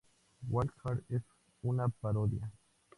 Walk Hard es una parodia.